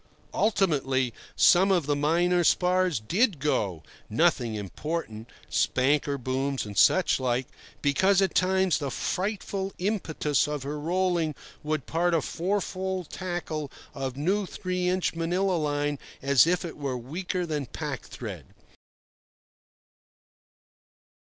Ultimately some of the minor spars did go—nothing important: spanker booms and such like—because at times the frightful impetus of her rolling would part a fourfold tackle of new three inch Manilla line as if it were weaker than pack thread.